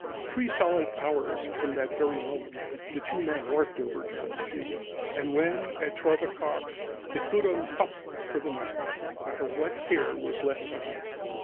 _" Three solid hours from that very moment the two men worked over John G., and when, at twelve o'clock, they put him up for the night, not a wet hair was left on him.